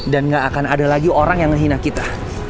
dan gak akan ada lagi orang yang ngehina kita